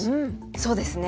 そうですね。